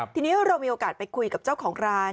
ทีนี้เรามีโอกาสไปคุยกับเจ้าของร้าน